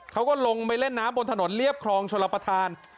เขาก็ลงไปเล่นน้ำบนถนนเรียบครองชลประธาน